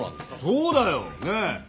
そうだよ！ねえ？